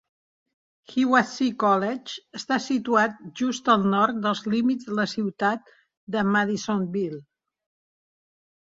Hiwassee College està situat just al nord dels límits de la ciutat de Madisonville.